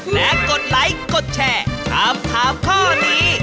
และกดไลค์กดแชร์ถามถามข้อนี้